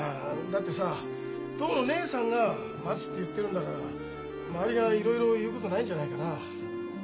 だってさ当の義姉さんが「待つ」って言ってるんだから周りがいろいろ言うことないんじゃないかな。